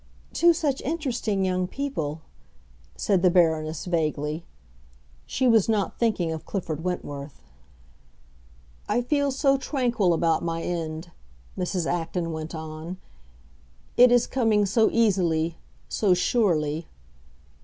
"Two such interesting young people," said the Baroness, vaguely. She was not thinking of Clifford Wentworth. "I feel so tranquil about my end," Mrs. Acton went on. "It is coming so easily, so surely."